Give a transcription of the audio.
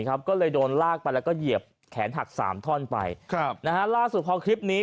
ก็เลยโดนลากไปแล้วก็เหยียบแขนหักสามท่อนไปครับนะฮะล่าสุดพอคลิปนี้